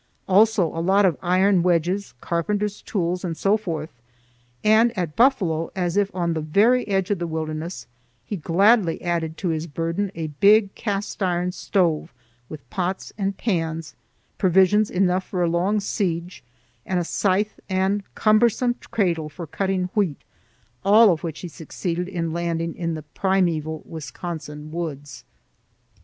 Also a lot of iron wedges, carpenter's tools, and so forth, and at Buffalo, as if on the very edge of the wilderness, he gladly added to his burden a big cast iron stove with pots and pans, provisions enough for a long siege, and a scythe and cumbersome cradle for cutting wheat, all of which he succeeded in landing in the primeval Wisconsin woods.